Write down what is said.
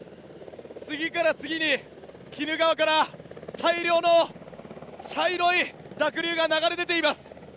次から次に鬼怒川から大量の茶色い濁流が流れ出ています。